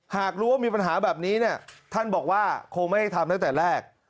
หากรู้ว่ามีปัญหาแบบนี้เนี่ยท่านบอกว่าคงไม่ได้ทำตั้งแต่แรก